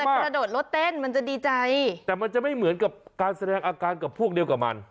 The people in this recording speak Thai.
กระโดดรถเต้นมันจะดีใจแต่มันจะไม่เหมือนกับการแสดงอาการกับพวกเดียวกับมัน